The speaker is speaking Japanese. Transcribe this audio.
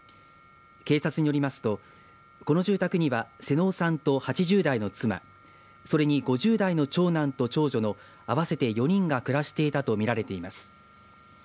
警察によりますと、この住宅には妹尾さんと８０代の妻それに５０代の長男と長女の合わせて４人が暮らしていたとみられています。